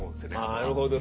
あなるほど。